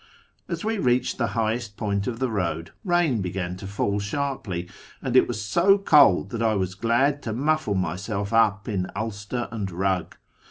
As we reached the highest point of the road, rain began to fall sharply, and it was so cold that I was glad to muffle myself up in ulster and rug.